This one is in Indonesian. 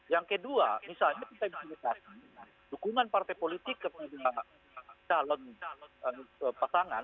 yang kedua misalnya kita bisa kasih dukungan partai politik kepada calon pasangan